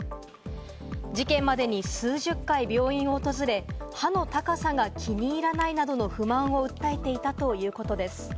事件までに数十回病院を訪れ、歯の高さが気に入らないなどの不満を訴えていたということです。